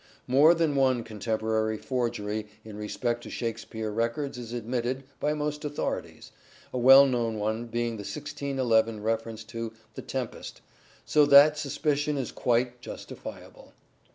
More than one contemporary forgery in respect to Shakespeare records is admitted by most authorities, a well known one being the 1611 reference to " The Tempest," so that suspicion is quite justifiable.